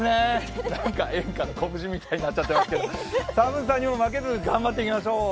演歌のこぶしみたいになっちゃってますが寒さにも負けず頑張っていきましょう。